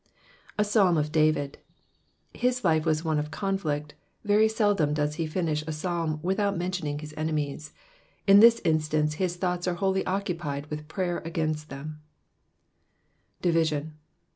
A Psalm of David. — His Ufe uhis one of conflict, and very seldom does he finish a Psalm without mentioning his enemies ; in this xn^nA^e his thoughts are whoUy occupied wilh prayer against them, DiYiBion.